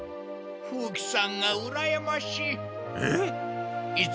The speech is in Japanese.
風鬼さんがうらやましい。